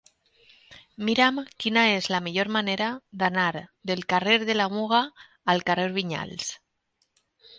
Mira'm quina és la millor manera d'anar del carrer de la Muga al carrer de Vinyals.